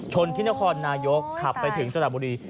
ที่นครนายกขับไปถึงสระบุรี